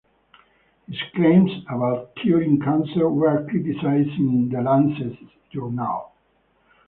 His claims about curing cancer were criticized in "The Lancet" journal.